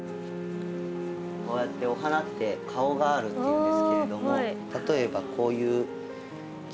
こうやってお花って「顔がある」っていうんですけれども例えばこういうキキョウやとですね